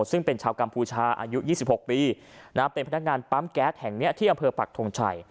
ซึ่งเป็นชาวกัมพูชาอายุ๒๖ปีเป็นพนักงานปั๊มแก๊สแห่งนี้ที่อำเภอปักทงชัย